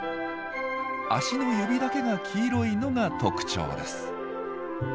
足の指だけが黄色いのが特徴です。